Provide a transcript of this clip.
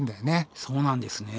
そうなんですね。